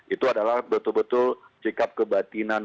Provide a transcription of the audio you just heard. itu adalah betul betul sikap kebatinan